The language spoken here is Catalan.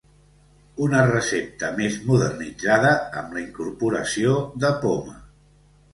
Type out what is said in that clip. Una recepta més modernitzada amb la incorporació de poma.